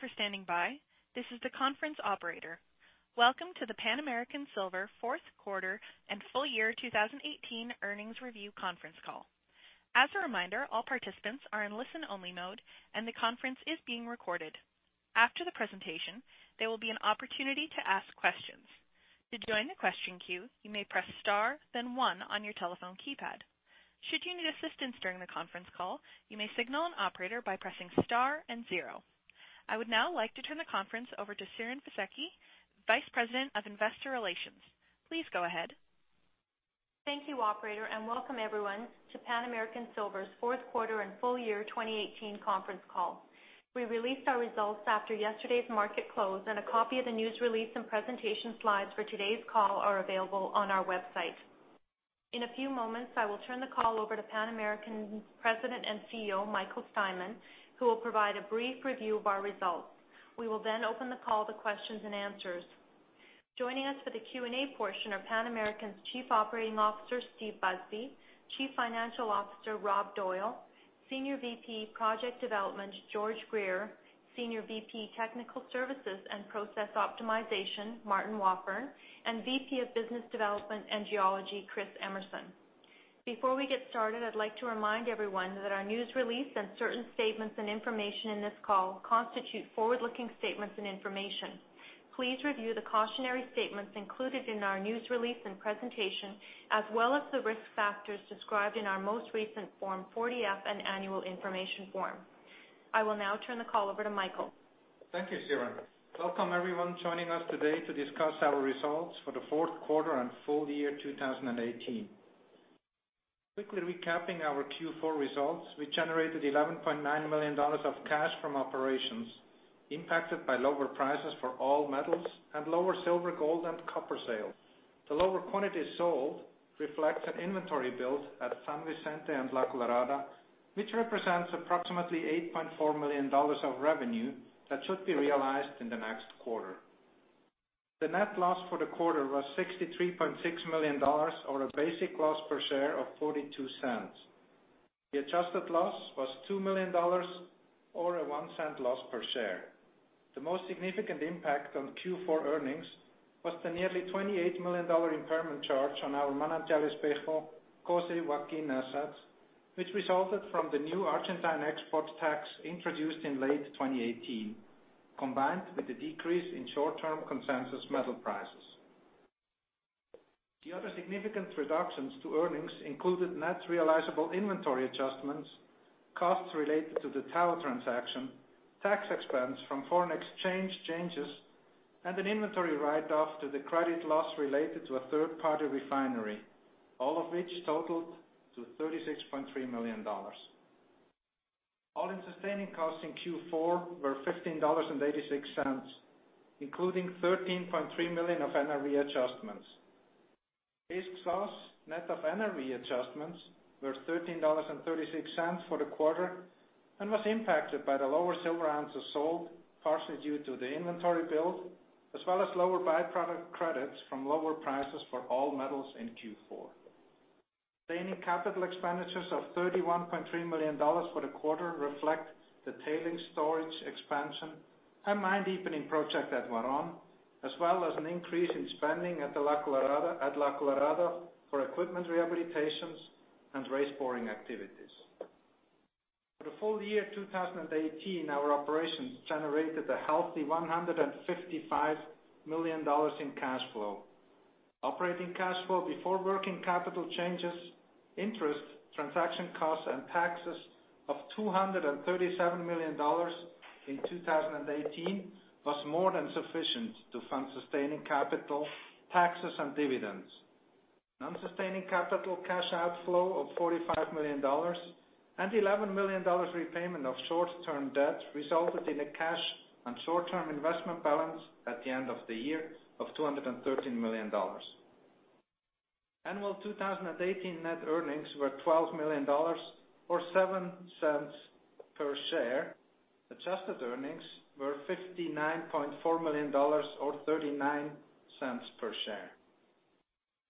Thank you for standing by. This is the conference operator. Welcome to the Pan American Silver fourth quarter and full year 2018 earnings review conference call. As a reminder, all participants are in listen-only mode, and the conference is being recorded. After the presentation, there will be an opportunity to ask questions. To join the question queue, you may press star, then one on your telephone keypad. Should you need assistance during the conference call, you may signal an operator by pressing star and zero. I would now like to turn the conference over to Siren Fisekci, Vice President of Investor Relations. Please go ahead. Thank you, Operator, and welcome everyone to Pan American Silver's fourth quarter and full year 2018 conference call. We released our results after yesterday's market close, and a copy of the news release and presentation slides for today's call are available on our website. In a few moments, I will turn the call over to Pan American's President and CEO, Michael Steinmann, who will provide a brief review of our results. We will then open the call to questions and answers. Joining us for the Q&A portion are Pan American's Chief Operating Officer, Steve Busby, Chief Financial Officer, Rob Doyle, Senior VP Project Development, George Greer, Senior VP Technical Services and Process Optimization, Martin Wafforn, and VP of Business Development and Geology, Chris Emerson. Before we get started, I'd like to remind everyone that our news release and certain statements and information in this call constitute forward-looking statements and information. Please review the cautionary statements included in our news release and presentation, as well as the risk factors described in our most recent Form 40-F and annual information form. I will now turn the call over to Michael. Thank you, Siren. Welcome everyone joining us today to discuss our results for the fourth quarter and full year 2018. Quickly recapping our Q4 results, we generated $11.9 million of cash from operations, impacted by lower prices for all metals and lower silver, gold, and copper sales. The lower quantities sold reflects an inventory build at San Vicente and La Colorada, which represents approximately $8.4 million of revenue that should be realized in the next quarter. The net loss for the quarter was $63.6 million, or a basic loss per share of $0.42. The adjusted loss was $2 million, or a $0.01 loss per share. The most significant impact on Q4 earnings was the nearly $28 million impairment charge on our Manantial Espejo, COSE, Joaquin assets, which resulted from the new Argentine export tax introduced in late 2018, combined with the decrease in short-term consensus metal prices. The other significant reductions to earnings included net realizable inventory adjustments, costs related to the Tahoe transaction, tax expense from foreign exchange changes, and an inventory write-off to the credit loss related to a third-party refinery, all of which totaled to $36.3 million. All-in sustaining costs in Q4 were $15.86, including $13.3 million of NRV adjustments. This cost net of NRV adjustments was $13.36 for the quarter and was impacted by the lower silver ounces sold, partially due to the inventory build, as well as lower byproduct credits from lower prices for all metals in Q4. Sustaining capital expenditures of $31.3 million for the quarter reflect the tailings storage expansion and mine deepening project that went on, as well as an increase in spending at La Colorada for equipment rehabilitations and raise boring activities. For the full year 2018, our operations generated a healthy $155 million in cash flow. Operating cash flow before working capital changes, interest, transaction costs, and taxes of $237 million in 2018 was more than sufficient to fund sustaining capital, taxes, and dividends. Non-sustaining capital cash outflow of $45 million and $11 million repayment of short-term debt resulted in a cash and short-term investment balance at the end of the year of $213 million. Annual 2018 net earnings were $12 million, or 7 cents per share. Adjusted earnings were $59.4 million, or 39 cents per share.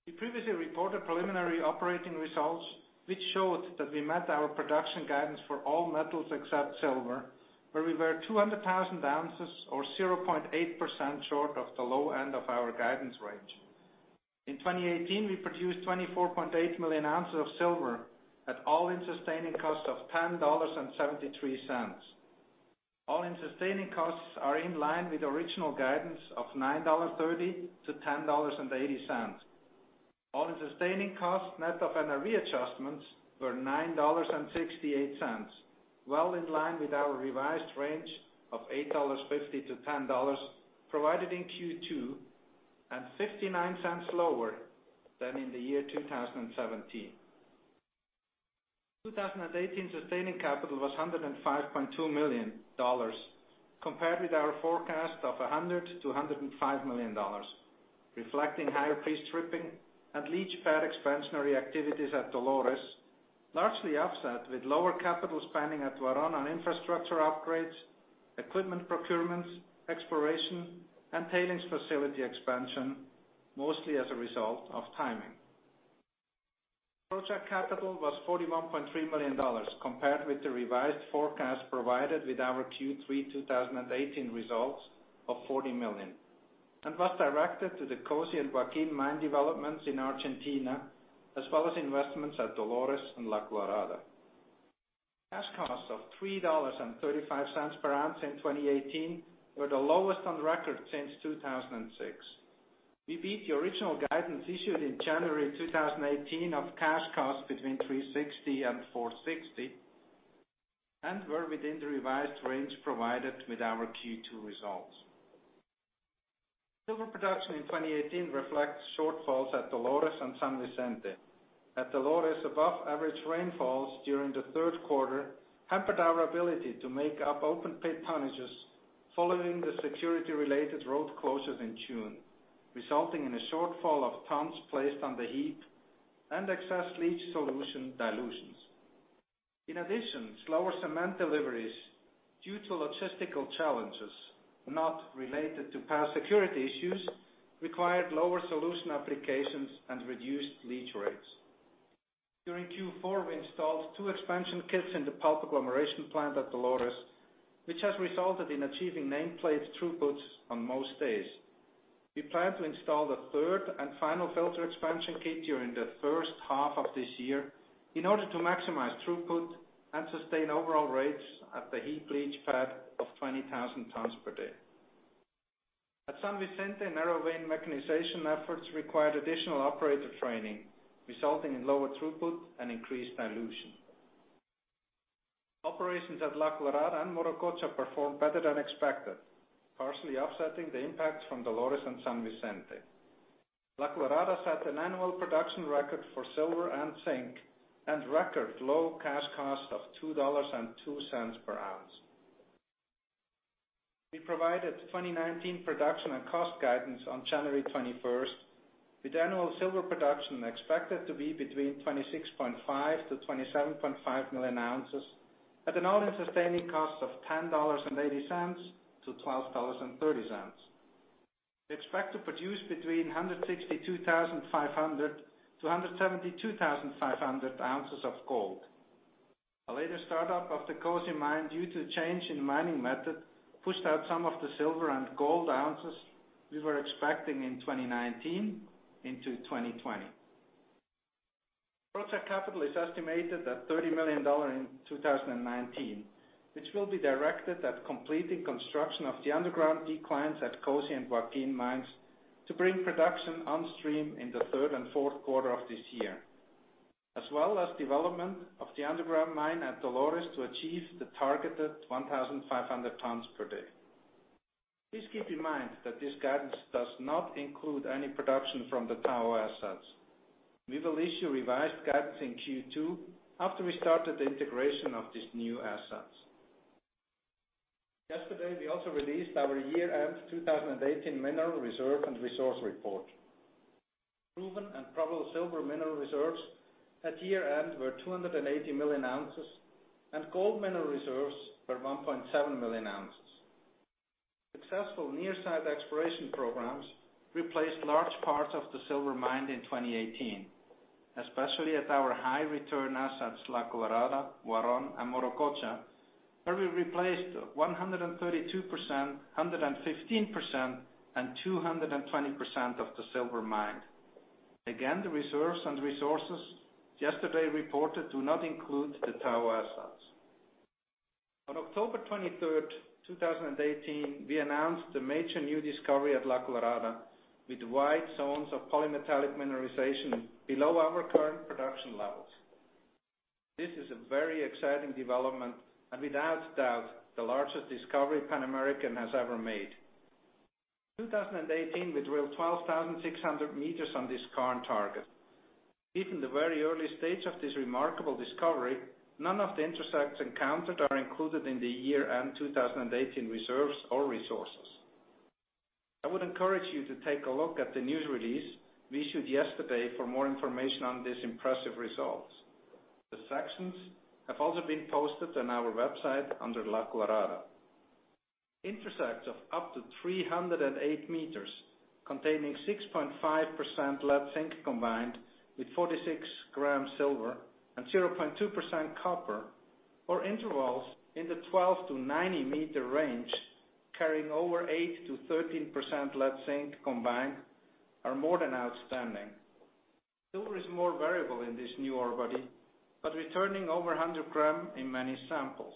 We previously reported preliminary operating results, which showed that we met our production guidance for all metals except silver, where we were 200,000 ounces, or 0.8% short of the low end of our guidance range. In 2018, we produced 24.8 million ounces of silver at all-in sustaining costs of $10.73. All-in sustaining costs are in line with original guidance of $9.30-$10.80. All-in sustaining costs net of NRV adjustments were $9.68, well in line with our revised range of $8.50-$10 provided in Q2 and $0.59 lower than in the year 2017. 2018 sustaining capital was $105.2 million, compared with our forecast of $100-$105 million, reflecting higher pre-stripping and leach pad expansionary activities at Dolores, largely offset with lower capital spending at Huaron on infrastructure upgrades, equipment procurements, exploration, and tailings facility expansion, mostly as a result of timing. Project capital was $41.3 million, compared with the revised forecast provided with our Q3 2018 results of $40 million, and was directed to the COSE and Joaquin mine developments in Argentina, as well as investments at Dolores and La Colorada. Cash costs of $3.35 per ounce in 2018 were the lowest on record since 2006. We beat the original guidance issued in January 2018 of cash costs between $3.60 and $4.60 and were within the revised range provided with our Q2 results. Silver production in 2018 reflects shortfalls at Dolores and San Vicente. At Dolores, above-average rainfalls during the third quarter hampered our ability to make up open pit pushes following the security-related road closures in June, resulting in a shortfall of tons placed on the heap and excess leach solution dilutions. In addition, slower cement deliveries due to logistical challenges, not related to past security issues, required lower solution applications and reduced leach rates. During Q4, we installed two expansion kits in the pulp agglomeration plant at Dolores, which has resulted in achieving nameplate throughputs on most days. We plan to install the third and final filter expansion kit during the first half of this year in order to maximize throughput and sustain overall rates at the heap leach pad of 20,000 tons per day. At San Vicente, narrow-vein mechanization efforts required additional operator training, resulting in lower throughput and increased dilution. Operations at La Colorada and Morococha performed better than expected, partially offsetting the impact from Dolores and San Vicente. La Colorada set an annual production record for silver and zinc and record low cash cost of $2.02 per ounce. We provided 2019 production and cost guidance on January 21st, with annual silver production expected to be between 26.5-27.5 million ounces at an all-in sustaining cost of $10.80-$12.30. We expect to produce between 162,500-172,500 ounces of gold. A later startup of the COSE mine, due to a change in mining method, pushed out some of the silver and gold ounces we were expecting in 2019 into 2020. Project capital is estimated at $30 million in 2019, which will be directed at completing construction of the underground declines at COSE and Joaquin mines to bring production on stream in the third and fourth quarter of this year, as well as development of the underground mine at Dolores to achieve the targeted 1,500 tons per day. Please keep in mind that this guidance does not include any production from the Tahoe assets. We will issue revised guidance in Q2 after we started the integration of these new assets. Yesterday, we also released our year-end 2018 mineral reserve and resource report. Proven and probable silver mineral reserves at year-end were 280 million ounces and gold mineral reserves were 1.7 million ounces. Successful near-site exploration programs replaced large parts of the silver mine in 2018, especially at our high-return assets, La Colorada, Huaron, and Morococha, where we replaced 132%, 115%, and 220% of the silver mine. Again, the reserves and resources yesterday reported do not include the Tahoe assets. On October 23rd, 2018, we announced the major new discovery at La Colorada with wide zones of polymetallic mineralization below our current production levels. This is a very exciting development and, without doubt, the largest discovery Pan American has ever made. In 2018 we drilled 12,600 meters on this current target. Even at the very early stage of this remarkable discovery, none of the intercepts encountered are included in the year-end 2018 reserves or resources. I would encourage you to take a look at the news release we issued yesterday for more information on these impressive results. The sections have also been posted on our website under La Colorada. Intersects of up to 308 meters containing 6.5% lead-zinc combined with 46 grams silver and 0.2% copper, or intervals in the 12- to 90-meter range, carrying over 8%-13% lead-zinc combined, are more than outstanding. Silver is more variable in this new ore body, but returning over 100 grams in many samples.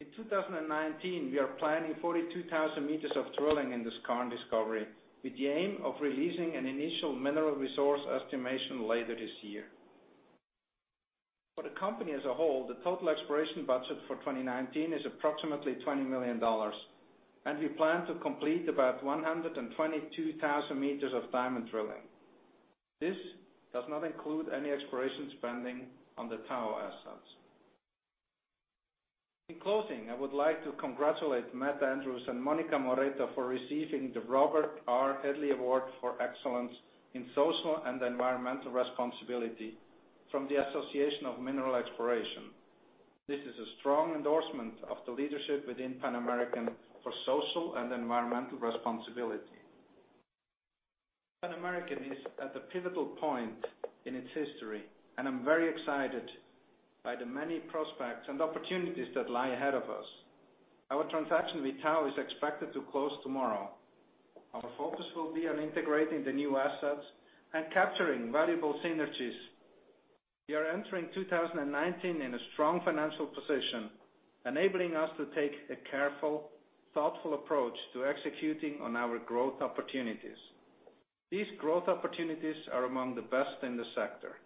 In 2019, we are planning 42,000 meters of drilling in this current discovery with the aim of releasing an initial mineral resource estimation later this year. For the company as a whole, the total exploration budget for 2019 is approximately $20 million, and we plan to complete about 122,000 meters of diamond drilling. This does not include any exploration spending on the Tahoe assets. In closing, I would like to congratulate Matt Andrews and Monica Moretto for receiving the Robert R. Hedley Award for Excellence in Social and Environmental Responsibility from the Association for Mineral Exploration. This is a strong endorsement of the leadership within Pan American for Social and Environmental Responsibility. Pan American is at a pivotal point in its history, and I'm very excited by the many prospects and opportunities that lie ahead of us. Our transaction with Tahoe is expected to close tomorrow. Our focus will be on integrating the new assets and capturing valuable synergies. We are entering 2019 in a strong financial position, enabling us to take a careful, thoughtful approach to executing on our growth opportunities. These growth opportunities are among the best in the sector,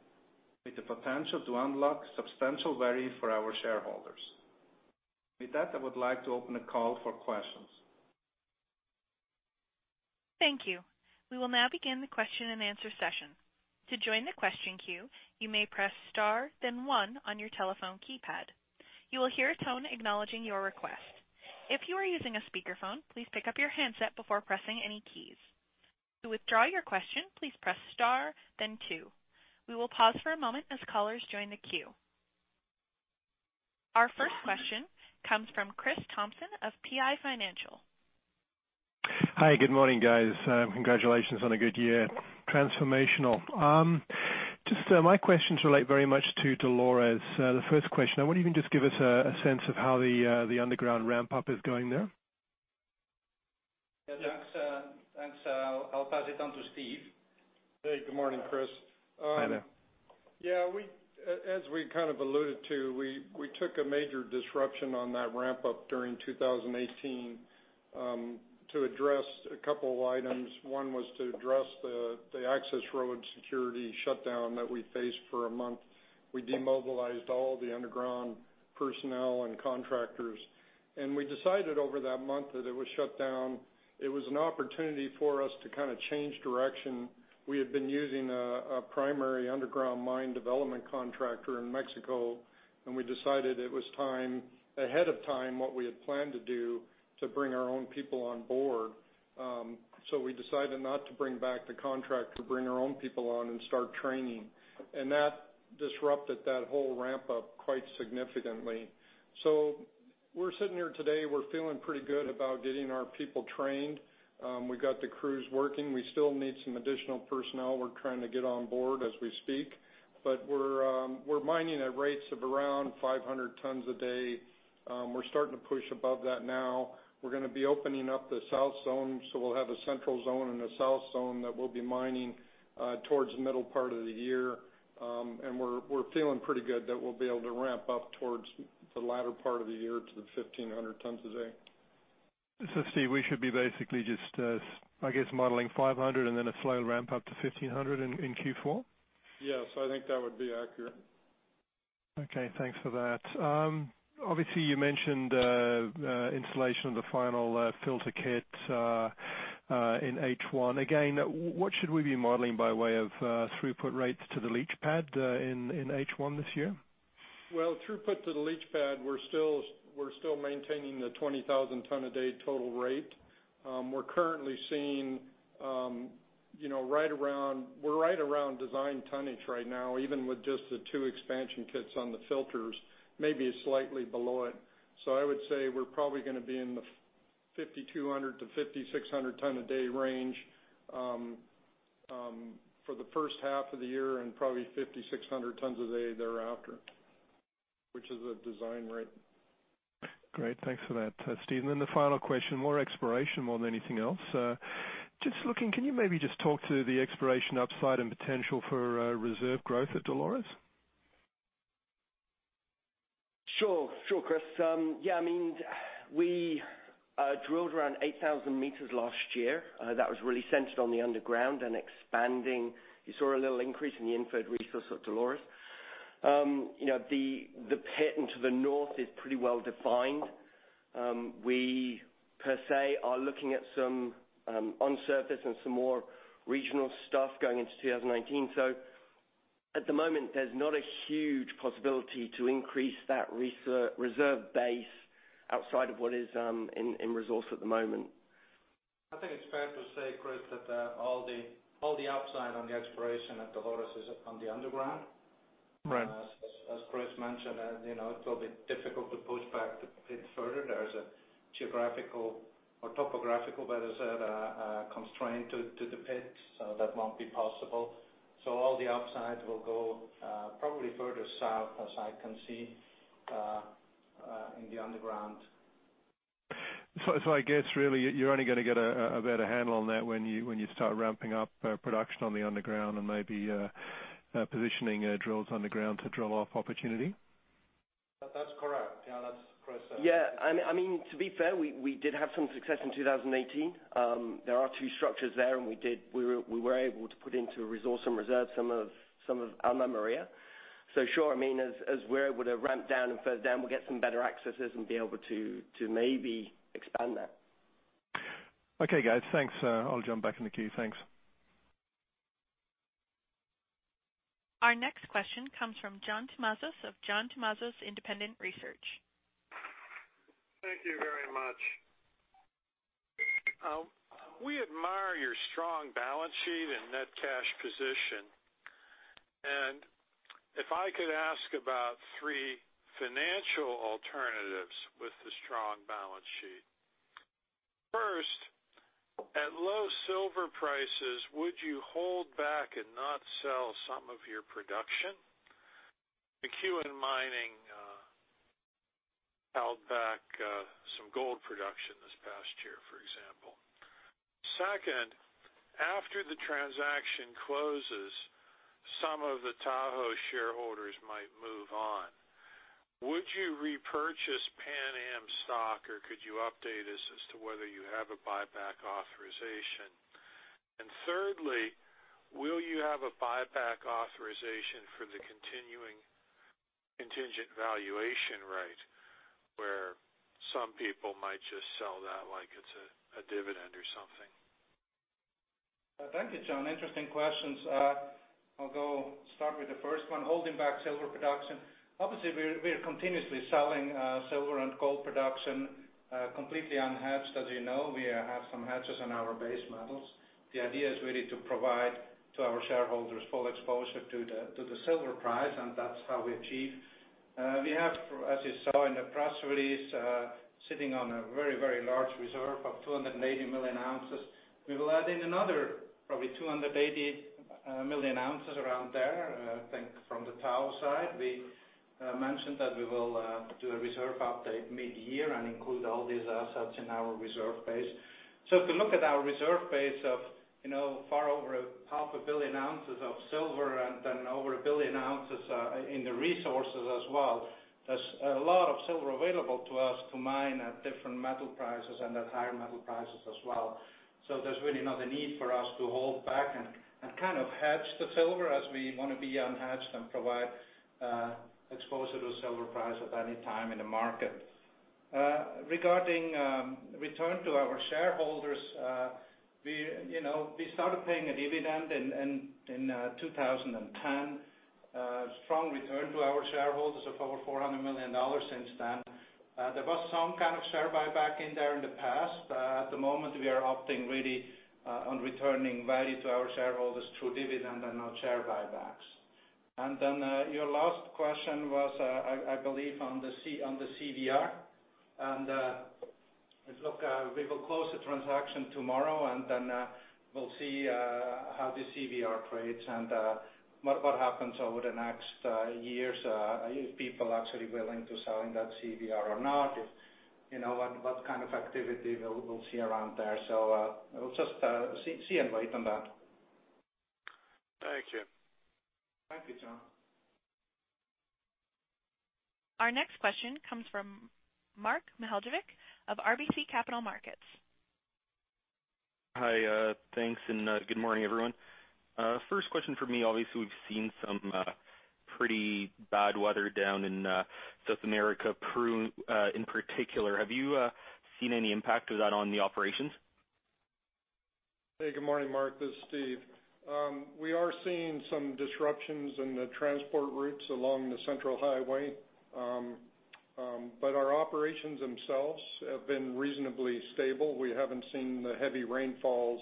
with the potential to unlock substantial value for our shareholders. With that, I would like to open the call for questions. Thank you. We will now begin the question and answer session. To join the question queue, you may press star, then one on your telephone keypad. You will hear a tone acknowledging your request. If you are using a speakerphone, please pick up your handset before pressing any keys. To withdraw your question, please press star, then two. We will pause for a moment as callers join the queue. Our first question comes from Chris Thompson of PI Financial. Hi, good morning, guys. Congratulations on a good year. Transformational. Just, my questions relate very much to Dolores. The first question, what do you mean? Just give us a sense of how the underground ramp-up is going there? Yeah, thanks. I'll pass it on to Steve. Hey, good morning, Chris. Hi there. Yeah, as we kind of alluded to, we took a major disruption on that ramp-up during 2018 to address a couple of items. One was to address the access road security shutdown that we faced for a month. We demobilized all the underground personnel and contractors, and we decided over that month that it was shut down. It was an opportunity for us to kind of change direction. We had been using a primary underground mine development contractor in Mexico, and we decided it was time, ahead of time what we had planned to do, to bring our own people on board. So we decided not to bring back the contractor, bring our own people on, and start training. And that disrupted that whole ramp-up quite significantly. So we're sitting here today. We're feeling pretty good about getting our people trained. We got the crews working. We still need some additional personnel. We're trying to get on board as we speak, but we're mining at rates of around 500 tons a day. We're starting to push above that now. We're going to be opening up the south zone, so we'll have a central zone and a south zone that we'll be mining towards the middle part of the year. And we're feeling pretty good that we'll be able to ramp up towards the latter part of the year to the 1,500 tons a day. So Steve, we should be basically just, I guess, modeling 500 and then a slow ramp-up to 1,500 in Q4? Yes, I think that would be accurate. Okay, thanks for that. Obviously, you mentioned installation of the final filter kit in H1. Again, what should we be modeling by way of throughput rates to the leach pad in H1 this year? Well, throughput to the leach pad, we're still maintaining the 20,000 tons a day total rate. We're currently seeing right around design tonnage right now, even with just the two expansion kits on the filters, maybe slightly below it. So I would say we're probably going to be in the 5,200-5,600 tons a day range for the first half of the year and probably 5,600 tons a day thereafter, which is a design rate. Great, thanks for that. Steven, then the final question, more exploration more than anything else. Just looking, can you maybe just talk to the exploration upside and potential for reserve growth at Dolores? Sure, sure, Chris. Yeah, I mean, we drilled around 8,000 meters last year. That was really centered on the underground and expanding. You saw a little increase in the inferred resource at Dolores. The pit into the north is pretty well defined. We, per se, are looking at some on surface and some more regional stuff going into 2019. So at the moment, there's not a huge possibility to increase that reserve base outside of what is in resource at the moment. I think it's fair to say, Chris, that all the upside on the exploration at Dolores is on the underground. As Chris mentioned, it will be difficult to push back the pit further. There's a geographical or topographical, better said, constraint to the pit, so that won't be possible. So all the upside will go probably further south as I can see in the underground. So I guess really you're only going to get a better handle on that when you start ramping up production on the underground and maybe positioning drills underground to drill off opportunity? That's correct. Yeah, that's Chris. Yeah, I mean, to be fair, we did have some success in 2018. There are two structures there, and we were able to put into resource and reserve some of Alma Maria. So sure, I mean, as we're able to ramp down and further down, we'll get some better accesses and be able to maybe expand that. Okay, guys, thanks. I'll jump back in the queue. Thanks. Our next question comes from John Tomazos of John Tomazos Independent Research. Thank you very much. We admire your strong balance sheet and net cash position. And if I could ask about three financial alternatives with the strong balance sheet. First, at low silver prices, would you hold back and not sell some of your production? McEwen Mining held back some gold production this past year, for example. Second, after the transaction closes, some of the Tahoe shareholders might move on. Would you repurchase Pan Am stock, or could you update us as to whether you have a buyback authorization? And thirdly, will you have a buyback authorization for the continuing contingent value right where some people might just sell that like it's a dividend or something? Thank you, John. Interesting questions. I'll go start with the first one, holding back silver production. Obviously, we're continuously selling silver and gold production completely unhedged, as you know. We have some hedges on our base metals. The idea is really to provide to our shareholders full exposure to the silver price, and that's how we achieve. We have, as you saw in the press release, sitting on a very, very large reserve of 280 million ounces. We will add in another probably 280 million ounces around there, I think, from the Tahoe side. We mentioned that we will do a reserve update mid-year and include all these assets in our reserve base. If you look at our reserve base of far over 500 million ounces of silver and then over 1 billion ounces in the resources as well, there's a lot of silver available to us to mine at different metal prices and at higher metal prices as well. There's really not a need for us to hold back and kind of hoard the silver as we want to be unleashed and provide exposure to silver price at any time in the market. Regarding return to our shareholders, we started paying a dividend in 2010, strong return to our shareholders of over $400 million since then. There was some kind of share buyback in there in the past. At the moment, we are opting really on returning value to our shareholders through dividend and not share buybacks, and then your last question was, I believe, on the CVR, and look, we will close the transaction tomorrow, and then we'll see how the CVR trades and what happens over the next years, if people are actually willing to sell in that CVR or not, what kind of activity we'll see around there, so we'll just see and wait on that. Thank you. Thank you, John. Our next question comes from Mark Mihaljevic of RBC Capital Markets. Hi, thanks, and good morning, everyone. First question for me, obviously, we've seen some pretty bad weather down in South America, Peru in particular. Have you seen any impact of that on the operations? Hey, good morning, Mark. This is Steve. We are seeing some disruptions in the transport routes along the Central Highway, but our operations themselves have been reasonably stable. We haven't seen the heavy rainfalls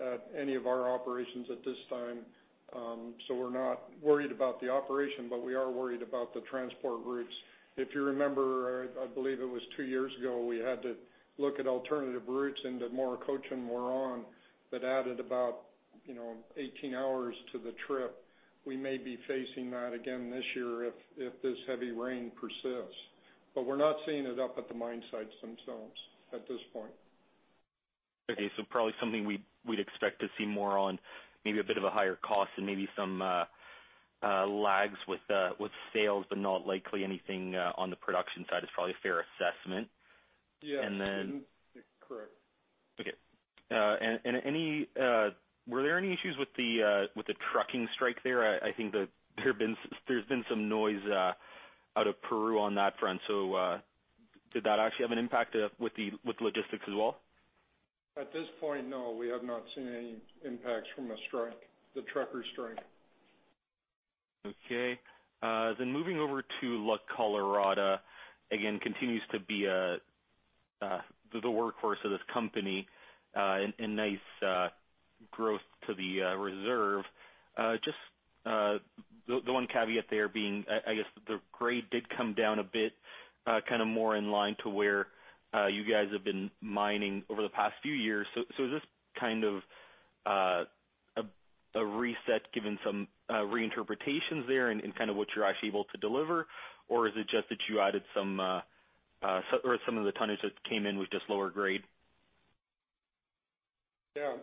at any of our operations at this time. So we're not worried about the operation, but we are worried about the transport routes. If you remember, I believe it was two years ago, we had to look at alternative routes into Morococha that added about 18 hours to the trip. We may be facing that again this year if this heavy rain persists. But we're not seeing it up at the mine sites themselves at this point. Okay, so probably something we'd expect to see more on, maybe a bit of a higher cost and maybe some lags with sales, but not likely anything on the production side is probably a fair assessment. Yeah, that's correct. Okay. Were there any issues with the trucking strike there? I think there's been some noise out of Peru on that front. So did that actually have an impact with logistics as well? At this point, no, we have not seen any impacts from the truckers' strike. Okay. Then moving over to La Colorada, again, continues to be the workhorse of this company and nice growth to the reserve. Just the one caveat there being, I guess, the grade did come down a bit, kind of more in line to where you guys have been mining over the past few years. So is this kind of a reset given some reinterpretations there and kind of what you're actually able to deliver, or is it just that you added some or some of the tonnage that came in was just lower grade? Yeah.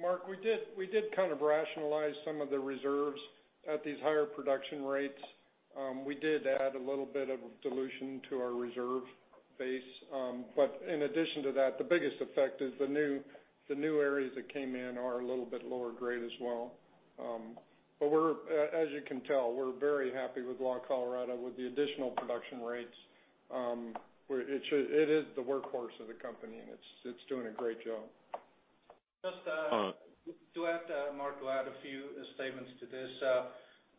Mark, we did kind of rationalize some of the reserves at these higher production rates. We did add a little bit of dilution to our reserve base. But in addition to that, the biggest effect is the new areas that came in are a little bit lower grade as well. But as you can tell, we're very happy with La Colorada with the additional production rates. It is the workhorse of the company, and it's doing a great job. Just to add, Mark, to add a few statements to this,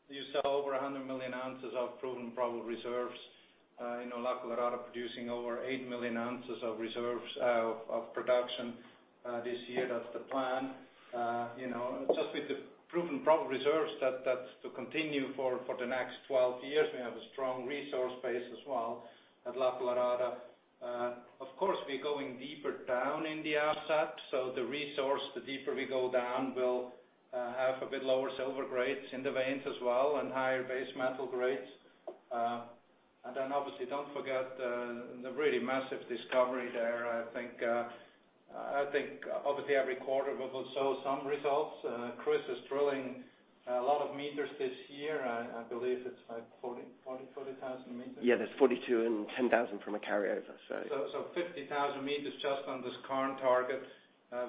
you saw over 100 million ounces of proven and probable reserves. La Colorada is producing over 8 million ounces of production this year. That's the plan. Just with the proven and probable reserves, that's to continue for the next 12 years. We have a strong resource base as well at La Colorada. Of course, we're going deeper down in the asset. So the resource, the deeper we go down, will have a bit lower silver grades in the veins as well and higher base metal grades. And then obviously, don't forget the really massive discovery there. I think obviously every quarter we will show some results. Chris is drilling a lot of meters this year. I believe it's like 40,000 meters. Yeah, that's 42 and 10,000 from a carryover, so. So 50,000 meters just on this current target,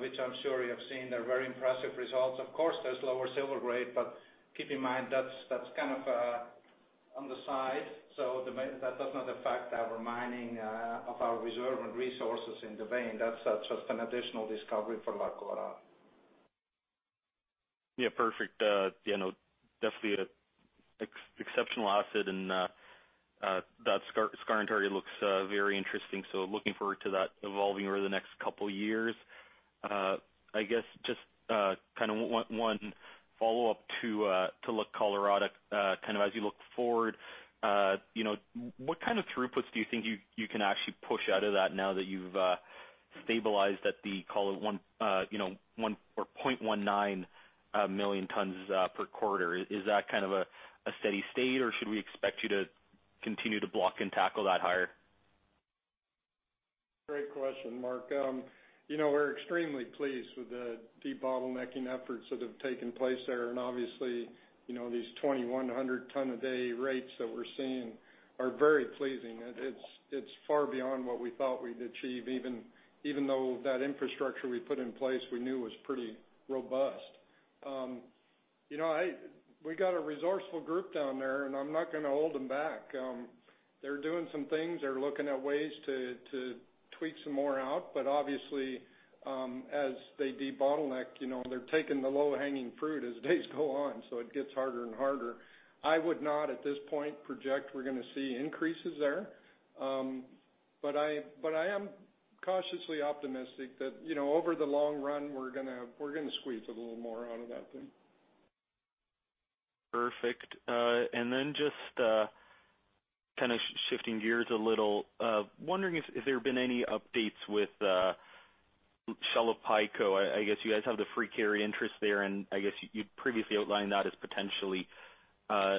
which I'm sure you have seen. They're very impressive results. Of course, there's lower silver grade, but keep in mind that's kind of on the side. So that does not affect our mining of our reserve and resources in the vein. That's just an additional discovery for La Colorada. Yeah, perfect. Definitely exceptional asset, and that current area looks very interesting. So looking forward to that evolving over the next couple of years. I guess just kind of one follow-up to La Colorada, kind of as you look forward, what kind of throughputs do you think you can actually push out of that now that you've stabilized at the 0.19 million tons per quarter? Is that kind of a steady state, or should we expect you to continue to block and tackle that higher? Great question, Mark. We're extremely pleased with the de-bottlenecking efforts that have taken place there. And obviously, these 2,100 ton a day rates that we're seeing are very pleasing. It's far beyond what we thought we'd achieve, even though that infrastructure we put in place we knew was pretty robust. We got a resourceful group down there, and I'm not going to hold them back. They're doing some things. They're looking at ways to tweak some more out. But obviously, as they de-bottleneck, they're taking the low-hanging fruit as days go on, so it gets harder and harder. I would not, at this point, project we're going to see increases there. But I am cautiously optimistic that over the long run, we're going to squeeze a little more out of that thing. Perfect. And then just kind of shifting gears a little, wondering if there have been any updates with Shalipayco? I guess you guys have the free carry interest there, and I guess you previously outlined that as potentially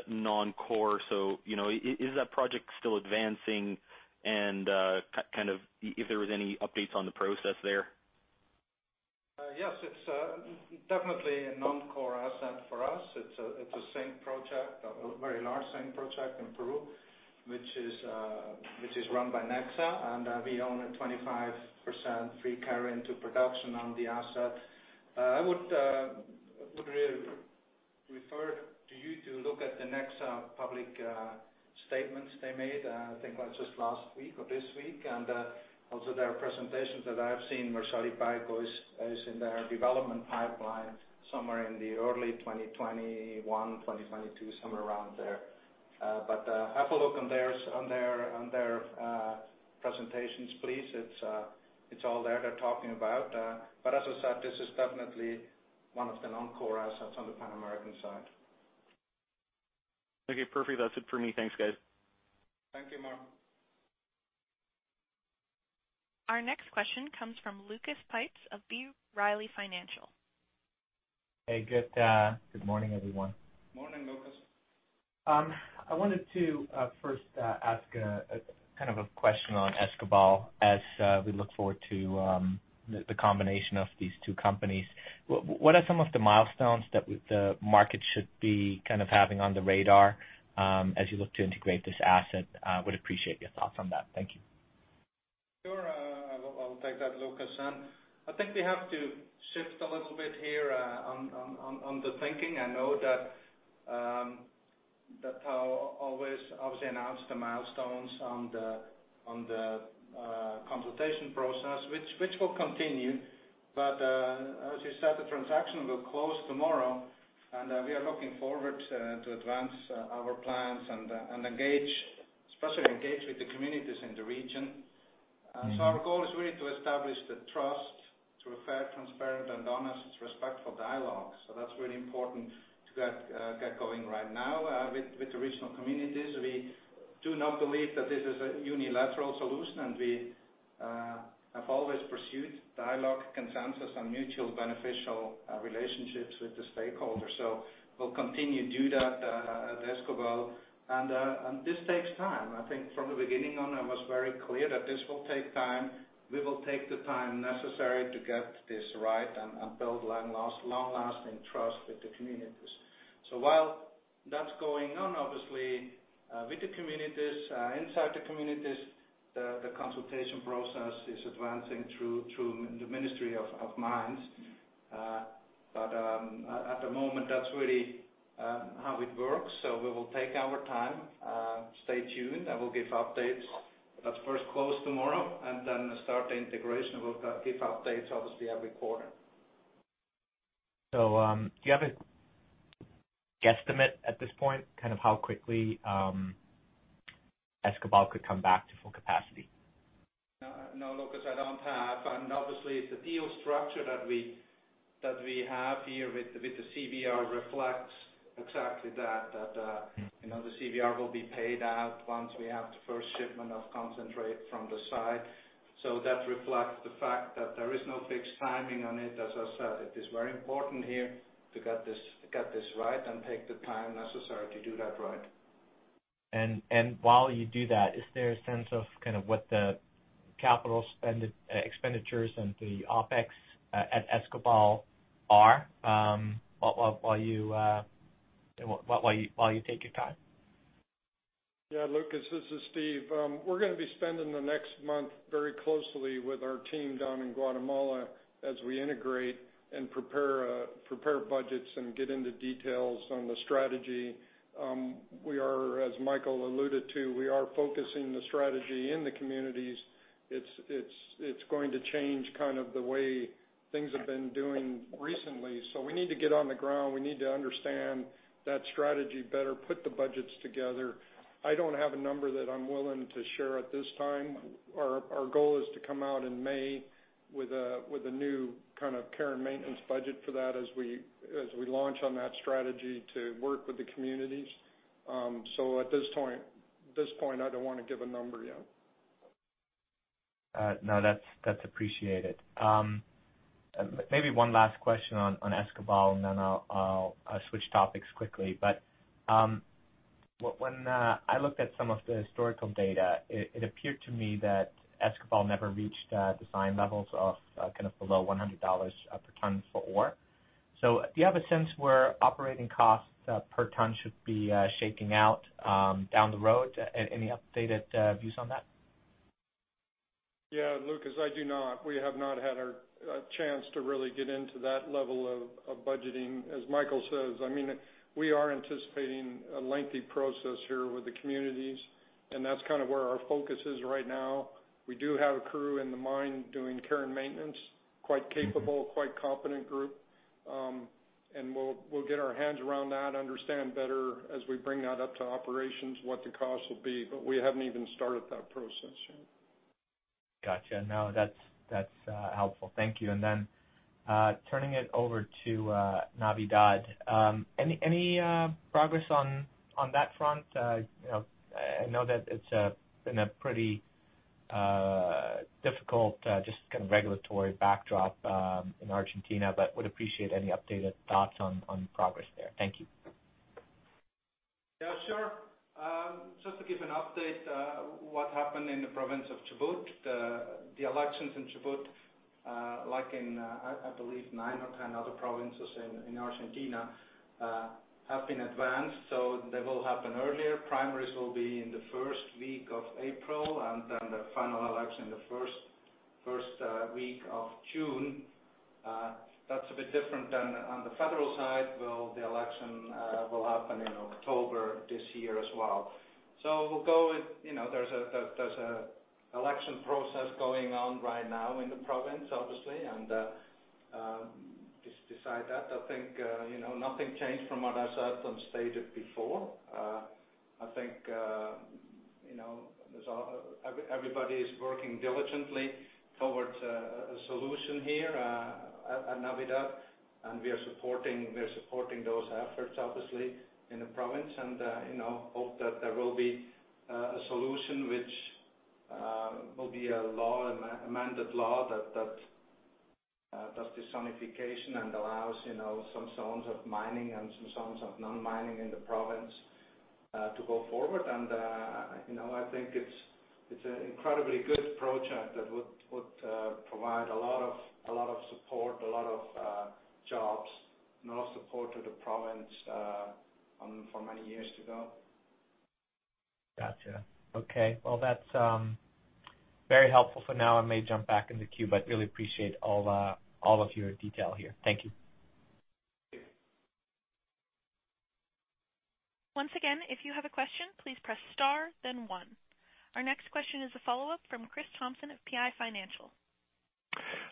non-core. So is that project still advancing? And kind of if there were any updates on the process there? Yes, it's definitely a non-core asset for us. It's a zinc project, a very large zinc project in Peru, which is run by Nexa. And we own a 25% free carry into production on the asset. I would refer to you to look at the Nexa public statements they made, I think just last week or this week. And also their presentations that I've seen, where Shalipayco is in their development pipeline somewhere in the early 2021, 2022, somewhere around there. But have a look on their presentations, please. It's all there they're talking about. But as I said, this is definitely one of the non-core assets on the Pan American side. Okay, perfect. That's it for me. Thanks, guys. Thank you, Mark. Our next question comes from Lucas Pipes of B. Riley Financial. Hey, good morning, everyone. Morning, Lucas. I wanted to first ask kind of a question on Escobal as we look forward to the combination of these two companies. What are some of the milestones that the market should be kind of having on the radar as you look to integrate this asset? Would appreciate your thoughts on that. Thank you. Sure. I'll take that, Lucas. And I think we have to shift a little bit here on the thinking. I know that Tahoe always announced the milestones on the consultation process, which will continue. But as you said, the transaction will close tomorrow. And we are looking forward to advance our plans and especially engage with the communities in the region. So our goal is really to establish the trust through a fair, transparent, and honest, respectful dialogue. So that's really important to get going right now with the regional communities. We do not believe that this is a unilateral solution, and we have always pursued dialogue, consensus, and mutual beneficial relationships with the stakeholders. We'll continue to do that at Escobal. And this takes time. I think from the beginning on, I was very clear that this will take time. We will take the time necessary to get this right and build long-lasting trust with the communities. So while that's going on, obviously, with the communities, inside the communities, the consultation process is advancing through the Ministry of Mines. But at the moment, that's really how it works. So we will take our time. Stay tuned. I will give updates. That's first close tomorrow, and then start the integration. We'll give updates, obviously, every quarter. So do you have a guesstimate at this point, kind of how quickly Escobal could come back to full capacity? No, Lucas, I don't have. Obviously, the deal structure that we have here with the CVR reflects exactly that, that the CVR will be paid out once we have the first shipment of concentrate from the site. So that reflects the fact that there is no fixed timing on it. As I said, it is very important here to get this right and take the time necessary to do that right. While you do that, is there a sense of kind of what the capital expenditures and the OpEx at Escobal are while you take your time? Yeah, Lucas, this is Steve. We're going to be spending the next month very closely with our team down in Guatemala as we integrate and prepare budgets and get into details on the strategy. As Michael alluded to, we are focusing the strategy in the communities. It's going to change kind of the way things have been doing recently. So we need to get on the ground. We need to understand that strategy better, put the budgets together. I don't have a number that I'm willing to share at this time. Our goal is to come out in May with a new kind of care and maintenance budget for that as we launch on that strategy to work with the communities. So at this point, I don't want to give a number yet. No, that's appreciated. Maybe one last question on Escobal, and then I'll switch topics quickly. But when I looked at some of the historical data, it appeared to me that Escobal never reached design levels of kind of below $100 per ton for ore. So do you have a sense where operating costs per ton should be shaking out down the road? Any updated views on that? Yeah, Lucas, I do not. We have not had a chance to really get into that level of budgeting. As Michael says, I mean, we are anticipating a lengthy process here with the communities, and that's kind of where our focus is right now. We do have a crew in the mine doing care and maintenance, quite capable, quite competent group. And we'll get our hands around that, understand better as we bring that up to operations what the cost will be. But we haven't even started that process yet. Gotcha. No, that's helpful. Thank you. And then turning it over to Navidad. Any progress on that front? I know that it's been a pretty difficult just kind of regulatory backdrop in Argentina, but would appreciate any updated thoughts on progress there. Thank you. Yeah, sure. Just to give an update, what happened in the province of Chubut, the elections in Chubut, like in, I believe, nine or 10 other provinces in Argentina, have been advanced, so they will happen earlier. Primaries will be in the first week of April, and then the final election in the first week of June. That's a bit different than on the federal side, well, the election will happen in October this year as well, so we'll go with there's an election process going on right now in the province, obviously, and decide that. I think nothing changed from what I said and stated before. I think everybody is working diligently towards a solution here at Navidad, and we are supporting those efforts, obviously, in the province. And hope that there will be a solution which will be a law, an amended law that does the zonification and allows some zones of mining and some zones of non-mining in the province to go forward. And I think it's an incredibly good project that would provide a lot of support, a lot of jobs, and a lot of support to the province for many years to go. Gotcha. Okay. Well, that's very helpful for now. I may jump back in the queue, but really appreciate all of your detail here. Thank you. Once again, if you have a question, please press *, then 1. Our next question is a follow-up from Chris Thompson of PI Financial.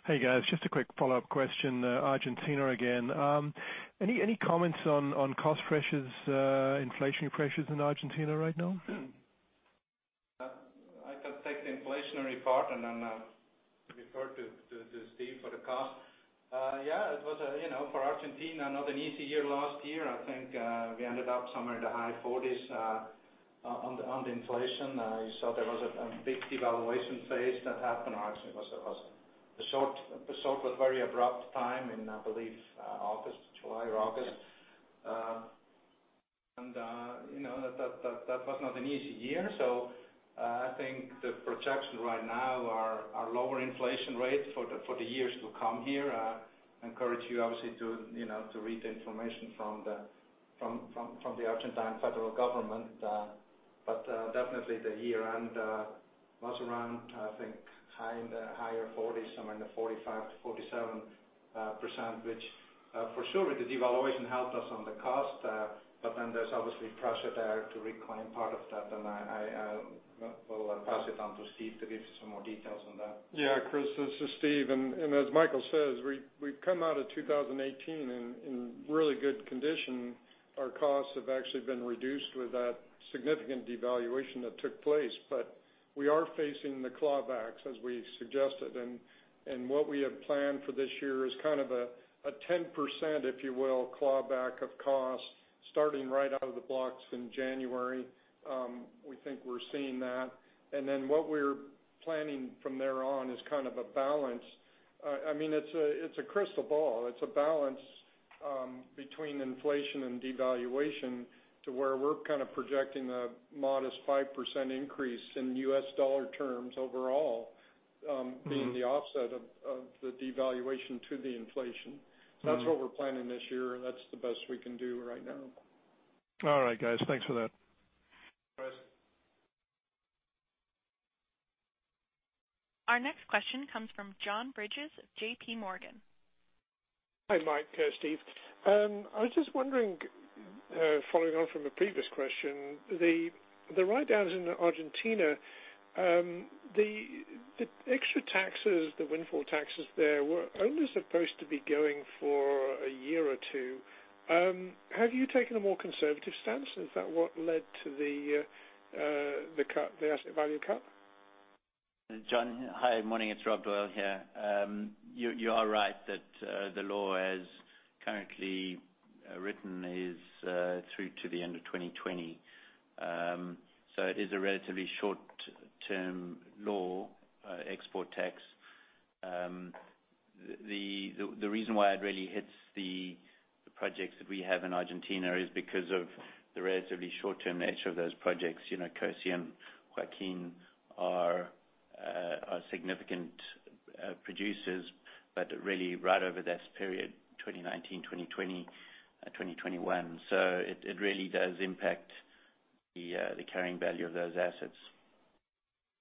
Hey, guys. Just a quick follow-up question. Argentina again. Any comments on cost pressures, inflationary pressures in Argentina right now? I can take the inflationary part and then refer to Steve for the cost. Yeah, it was for Argentina, not an easy year last year. I think we ended up somewhere in the high 40s on the inflation. You saw there was a big devaluation phase that happened. Actually, it was a short but very abrupt time in, I believe, August, July or August. And that was not an easy year. So I think the projections right now are lower inflation rates for the years to come here. I encourage you, obviously, to read the information from the Argentine federal government. But definitely, the year-end was around, I think, higher 40s, somewhere in the 45%-47%, which for sure, the devaluation helped us on the cost. But then there's obviously pressure there to reclaim part of that. I will pass it on to Steve to give some more details on that. Yeah, Chris, this is Steve. And as Michael says, we've come out of 2018 in really good condition. Our costs have actually been reduced with that significant devaluation that took place. But we are facing the clawbacks, as we suggested. And what we have planned for this year is kind of a 10%, if you will, clawback of costs starting right out of the box in January. We think we're seeing that. And then what we're planning from there on is kind of a balance. I mean, it's a crystal ball. It's a balance between inflation and devaluation to where we're kind of projecting a modest 5% increase in US dollar terms overall, being the offset of the devaluation to the inflation. So that's what we're planning this year. That's the best we can do right now. All right, guys. Thanks for that. Our next question comes from John Bridges, JP Morgan. Hi, Mike. Steve. I was just wondering, following on from a previous question, the write-downs in Argentina, the extra taxes, the windfall taxes there, were only supposed to be going for a year or two. Have you taken a more conservative stance? Is that what led to the asset value cut? John, hi. Morning. It's Rob Doyle here. You are right that the law as currently written is through to the end of 2020. So it is a relatively short-term law, export tax. The reason why it really hits the projects that we have in Argentina is because of the relatively short-term nature of those projects. COSE and Joaquin are significant producers, but really right over this period, 2019, 2020, 2021. So it really does impact the carrying value of those assets.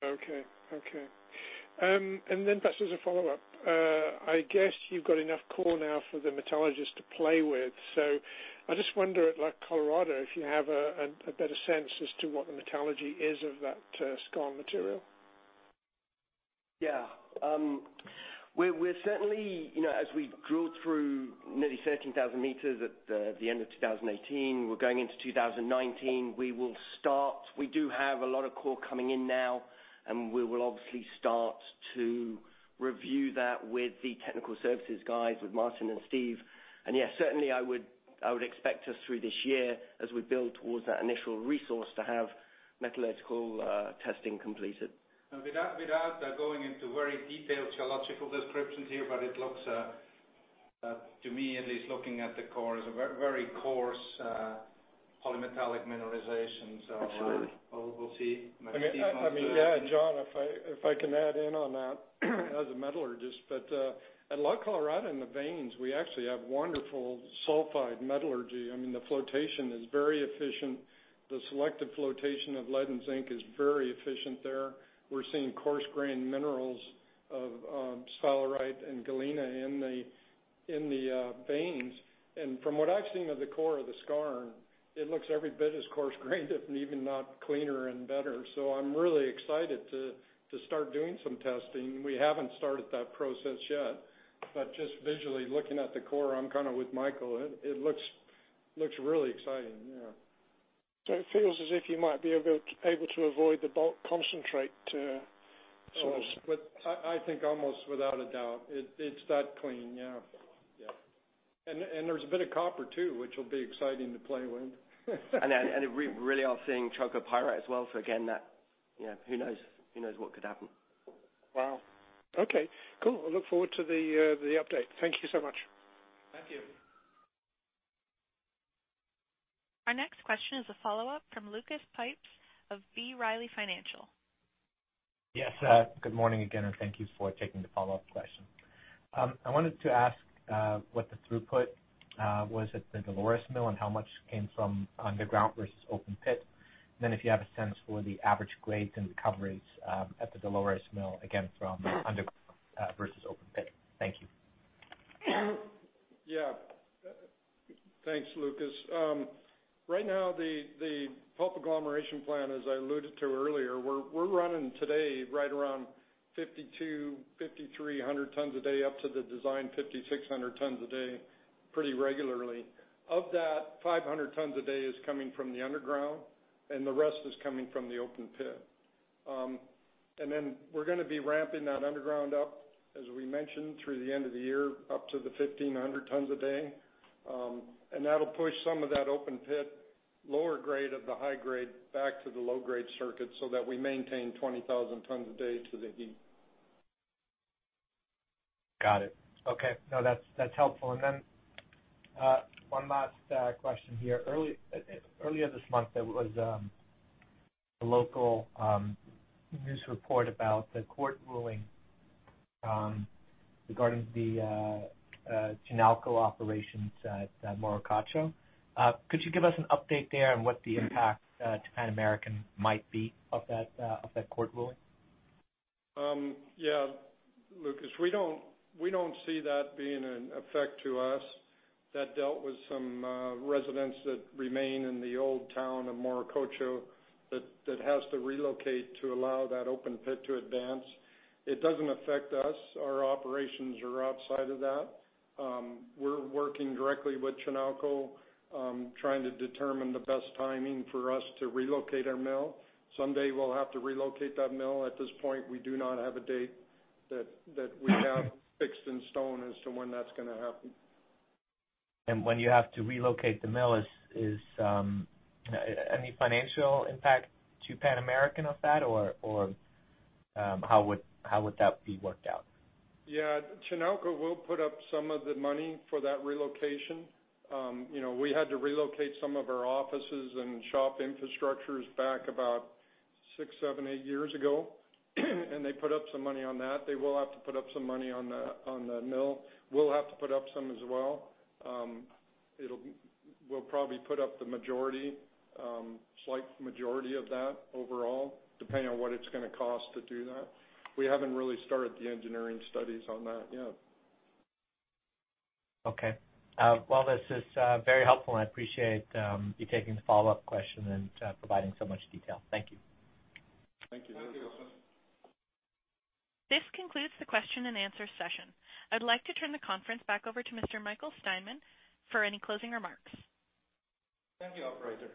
Okay. Okay. And then perhaps as a follow-up, I guess you've got enough core now for the metallurgists to play with. So I just wonder, like La Colorada, if you have a better sense as to what the metallurgy is of that skarn material. Yeah. We're certainly, as we drilled through nearly 13,000 meters at the end of 2018, we're going into 2019. We will start. We do have a lot of core coming in now, and we will obviously start to review that with the technical services guys, with Martin and Steve. And yeah, certainly, I would expect us through this year, as we build towards that initial resource, to have metallurgical testing completed. Without going into very detailed geological descriptions here, but it looks, to me, at least looking at the core, as a very coarse polymetallic mineralization. We'll see. I mean, yeah, John, if I can chime in on that as a metallurgist. At La Colorada and the veins, we actually have wonderful sulfide metallurgy. I mean, the flotation is very efficient. The selective flotation of lead and zinc is very efficient there. We're seeing coarse-grained minerals of sphalerite and galena in the veins. From what I've seen of the core of the skarn, it looks every bit as coarse-grained, if not even cleaner and better. I'm really excited to start doing some testing. We haven't started that process yet. Just visually looking at the core, I'm kind of with Michael. It looks really exciting. Yeah. It feels as if you might be able to avoid the bulk concentrate sort of. I think almost without a doubt. It's that clean. Yeah. Yeah. And there's a bit of copper too, which will be exciting to play with. And we really are seeing chalcopyrite as well. So again, who knows what could happen? Wow. Okay. Cool. I look forward to the update. Thank you so much. Thank you. Our next question is a follow-up from Lucas Pipes of B. Riley Financial. Yes. Good morning again, and thank you for taking the follow-up question. I wanted to ask what the throughput was at the Dolores Mill and how much came from underground versus open pit. And then if you have a sense for the average grades and recoveries at the Dolores Mill, again, from underground versus open pit. Thank you. Yeah. Thanks, Lucas. Right now, the pulp agglomeration plant, as I alluded to earlier, we're running today right around 5,200-5,300 tons a day up to the design 5,600 tons a day pretty regularly. Of that, 500 tons a day is coming from the underground, and the rest is coming from the open pit. And then we're going to be ramping that underground up, as we mentioned, through the end of the year, up to the 1,500 tons a day. And that'll push some of that open pit lower grade of the high grade back to the low grade circuit so that we maintain 20,000 tons a day to the heap. Got it. Okay. No, that's helpful. And then one last question here. Earlier this month, there was a local news report about the court ruling regarding the Chinalco operations at Morococha. Could you give us an update there and what the impact to Pan American might be of that court ruling? Yeah, Lucas. We don't see that being an effect to us. That dealt with some residents that remain in the old town of Morococha that has to relocate to allow that open pit to advance. It doesn't affect us. Our operations are outside of that. We're working directly with Chinalco, trying to determine the best timing for us to relocate our mill. Someday, we'll have to relocate that mill. At this point, we do not have a date that we have fixed in stone as to when that's going to happen, and when you have to relocate the mill, is any financial impact to Pan American of that, or how would that be worked out? Yeah. Chinalco will put up some of the money for that relocation. We had to relocate some of our offices and shop infrastructures back about six, seven, eight years ago, and they put up some money on that. They will have to put up some money on the mill. We'll have to put up some as well. We'll probably put up the majority, slight majority of that overall, depending on what it's going to cost to do that. We haven't really started the engineering studies on that yet. Okay. Well, this is very helpful, and I appreciate you taking the follow-up question and providing so much detail. Thank you. Thank you. Thank you, Austin. This concludes the question-and-answer session. I'd like to turn the conference back over to Mr. Michael Steinmann for any closing remarks. Thank you, Operator.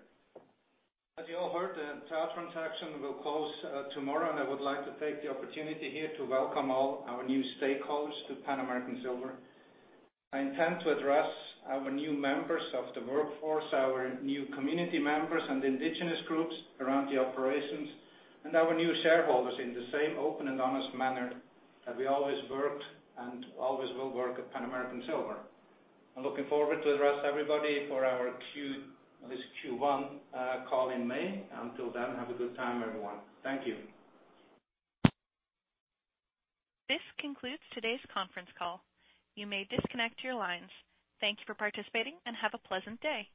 As you all heard, the Tahoe transaction will close tomorrow, and I would like to take the opportunity here to welcome all our new stakeholders to Pan American Silver. I intend to address our new members of the workforce, our new community members, and indigenous groups around the operations, and our new shareholders in the same open and honest manner that we always worked and always will work at Pan-American Silver. I'm looking forward to address everybody for our Q1 call in May. Until then, have a good time, everyone. Thank you. This concludes today's conference call. You may disconnect your lines. Thank you for participating, and have a pleasant day.